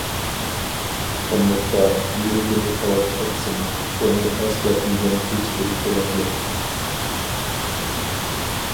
قۇملۇقتا، يۈرىكىنى كاۋاپ ئەتسىمۇ، ئۇنى ئەسكەرتمىگەن ھېچبىر كۆلەڭگە.